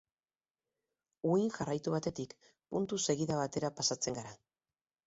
Uhin jarraitu batetik, puntu segida batera pasatzen gara.